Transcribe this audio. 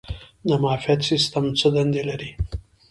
د معافیت سیستم څه دنده لري؟